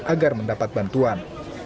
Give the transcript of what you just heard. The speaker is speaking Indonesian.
agar mendapat bantuan